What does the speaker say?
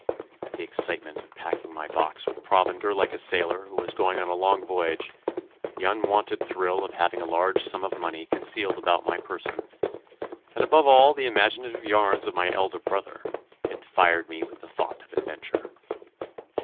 The excitement of packing my box with provender like a sailor who was going on a long voyage, the unwonted thrill of having a large sum of money concealed about my person, and above all the imaginative yarns of my elder brother, had fired me with the thought of adventure.